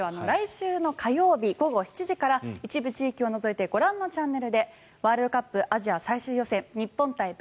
来週火曜日午後７時から一部地域を除いてご覧のチャンネルでワールドカップアジア最終予選日本対